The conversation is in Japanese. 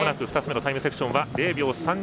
２つ目のタイムセクション０秒３２